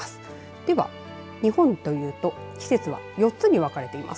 では日本というと季節は４つに分かれています。